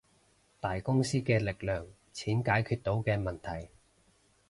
大公司嘅力量，錢解決到嘅問題